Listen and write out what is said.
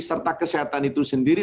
serta kesehatan itu sendiri